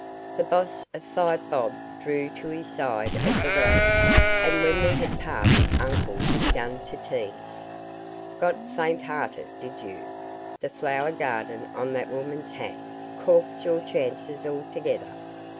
The boss of Five Bob drew to his side of the road, and when we had passed uncle began to tease: "Got faint hearted, did you? The flower garden on that woman's hat corked your chances altogether.